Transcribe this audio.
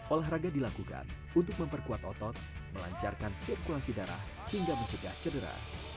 olahraga dilakukan untuk memperkuat otot melancarkan sirkulasi darah hingga mencegah cedera